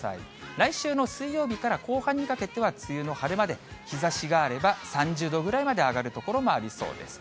来週の水曜日から後半にかけては梅雨の晴れ間で、日ざしがあれば３０度ぐらいまで上がる所もありそうです。